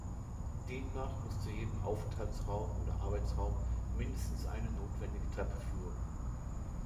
Demnach muss zu jedem Aufenthaltsraum oder Arbeitsraum mindestens eine notwendige Treppe führen.